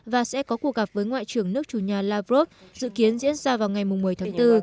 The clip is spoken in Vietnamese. và sẽ có cuộc gặp với ngoại trưởng nước chủ nhà lavrov dự kiến diễn ra vào ngày một mươi tháng bốn